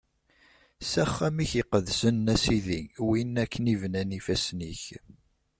S axxam-ik iqedsen, a Sidi, win akken i bnan ifassen-ik.